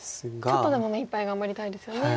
ちょっとでも目いっぱい頑張りたいですよね。